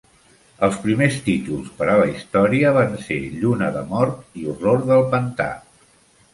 Els primers títols per a la història van ser "Lluna de mort" i "Horror del pantà".